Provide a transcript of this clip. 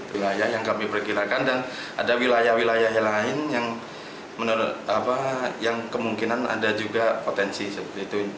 wilayah yang kami perkirakan dan ada wilayah wilayah yang lain yang kemungkinan ada juga potensi seperti itu